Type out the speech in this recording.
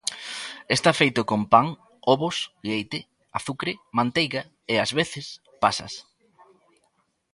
Está feito con pan, ovos, leite, azucre, manteiga e, ás veces, pasas.